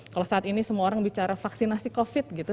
kalau saat ini semua orang bicara vaksinasi covid gitu